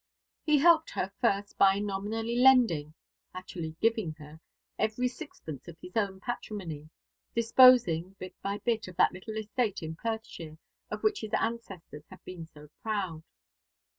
He helped her first by nominally lending actually giving her every sixpence of his own patrimony, disposing, bit by bit, of that little estate in Perthshire of which his ancestors had been so proud.